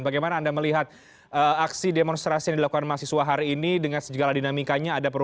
bagaimana anda melihat aksi demonstrasi yang dilakukan mahasiswa hari ini dengan segala dinamikanya